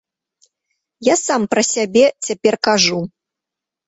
Я сам пра сябе цяпер кажу.